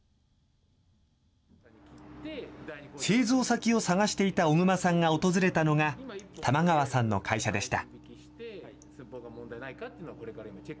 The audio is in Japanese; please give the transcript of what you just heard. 製造先を探していた小熊さんが訪れたのが、玉川さんの会社でした。